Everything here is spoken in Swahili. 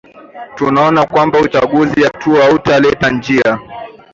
tunaona kwamba uchaguzi hauta hautaleta njia